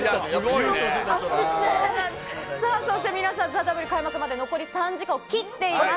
そして皆さん、ＴＨＥＷ開幕まで残り３時間を切っています。